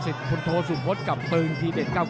สิทธิ์พุทธโศนพศกับปืนทีเด็ด๙๙